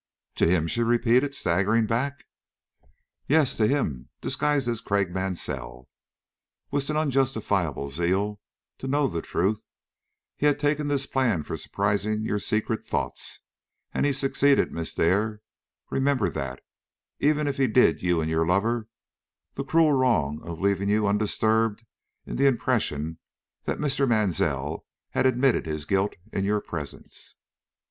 "To him!" she repeated, staggering back. "Yes, to him, disguised as Craik Mansell. With an unjustifiable zeal to know the truth, he had taken this plan for surprising your secret thoughts, and he succeeded, Miss Dare, remember that, even if he did you and your lover the cruel wrong of leaving you undisturbed in the impression that Mr. Mansell had admitted his guilt in your presence."